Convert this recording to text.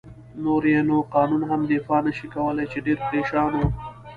نور يې نو قانون هم دفاع نه شي کولای، چې ډېر پرېشان و.